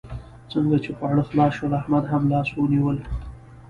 څنګه چې خواړه خلاص شول؛ احمد هم لاس ونيول.